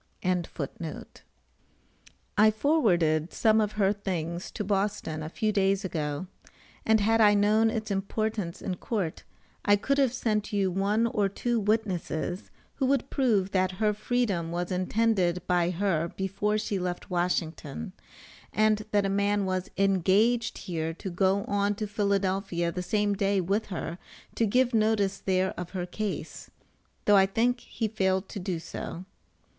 ] I forwarded some of her things to Boston a few days ago, and had I known its importance in court, I could have sent you one or two witnesses who would prove that her freedom was intended by her before she left Washington, and that a man was engaged here to go on to Philadelphia the same day with her to give notice there of her case, though I think he failed to do so.